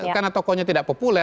karena tokohnya tidak populer